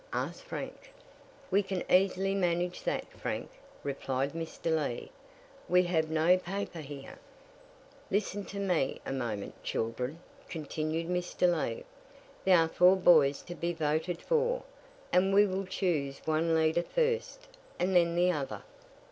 asked Frank. "We can easily manage that, Frank," replied Mr. Lee. "We have no paper here." "Listen to me a moment, children," continued Mr. Lee. "There are four boys to be voted for; and we will choose one leader first, and then the other.